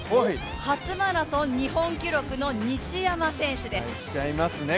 初マラソン日本記録の西山選手です。